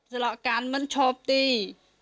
สละกันมันชบตี